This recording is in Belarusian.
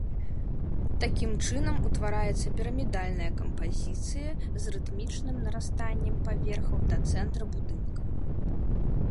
Такім чынам утвараецца пірамідальная кампазіцыя з рытмічным нарастаннем паверхаў да цэнтра будынка.